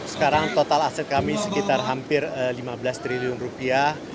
sekarang total aset kami sekitar hampir lima belas triliun rupiah